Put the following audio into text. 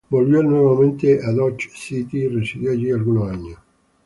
Volvió nuevamente a Dodge City y residió allí algunos años.